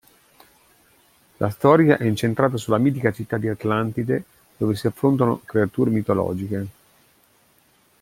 La storia è incentrata sulla mitica città di Atlantide dove si affrontano creature mitologiche.